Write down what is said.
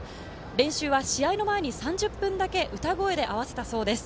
練習は試合の前に３０分だけ歌声で合わせたそうです。